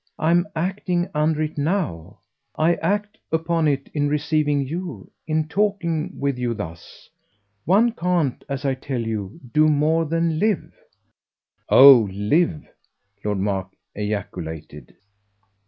I'm acting under it now. I act upon it in receiving you, in talking with you thus. One can't, as I tell you, do more than live." "Oh live!" Lord Mark ejaculated.